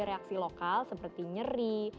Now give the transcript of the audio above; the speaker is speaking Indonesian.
reaksi lokal seperti nyeri